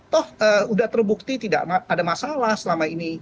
toh sudah terbukti tidak ada masalah selama ini